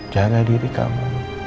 jaga diri kamu